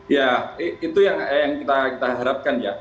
ya itu yang kita harapkan ya